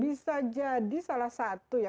bisa jadi salah satu ya